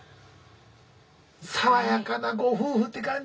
爽やかなご夫婦って感じ。